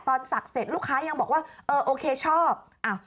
สักเสร็จลูกค้ายังบอกว่าเออโอเคชอบ